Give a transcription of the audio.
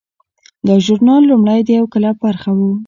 دا ژورنال لومړی د یو کلپ برخه وه.